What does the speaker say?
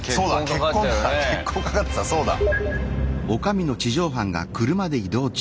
結婚かかってたそうだ。